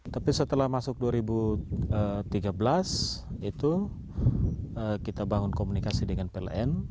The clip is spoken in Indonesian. tapi setelah masuk dua ribu tiga belas itu kita bangun komunikasi dengan pln